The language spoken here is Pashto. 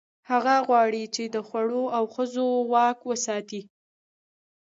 هغه غواړي، چې د خوړو او ښځو واک وساتي.